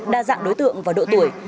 đa dạng đối tượng và độ tuổi